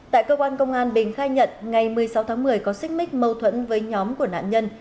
tại cơ quan công an bình khai nhận ngày một mươi sáu tháng một mươi có xích mích mâu thuẫn với nhóm của nạn nhân